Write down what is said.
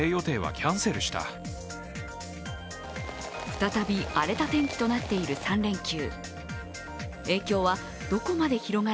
再び荒れた天気となっている３連休。